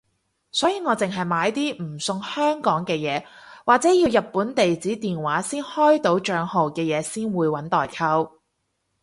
所以我淨係買啲唔送香港嘅嘢或者要日本地址電話先開到帳號嘅嘢先會搵代購